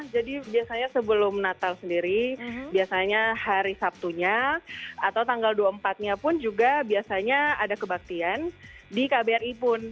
jadi biasanya sebelum natal sendiri biasanya hari sabtunya atau tanggal dua puluh empat nya pun juga biasanya ada kebaktian di kbri pun